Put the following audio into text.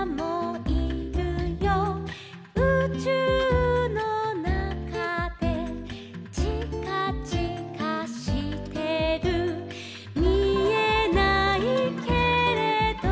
「うちゅうのなかで」「ちかちかしてる」「みえないけれど」